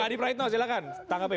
secara lembaga nanti